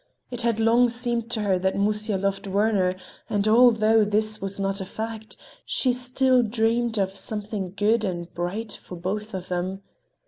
It had long seemed to her that Musya loved Werner, and although this was not a fact, she still dreamed of something good and bright for both of them.